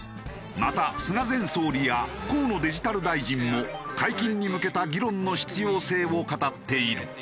また菅前総理や河野デジタル大臣も解禁に向けた議論の必要性を語っている。